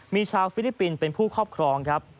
มีชาวฟิลิปปินส์เป็นผู้ครอบครองครับ